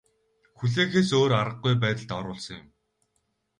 Хүлээхээс өөр аргагүй байдалд оруулсан юм.